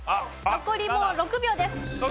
残りもう６秒です。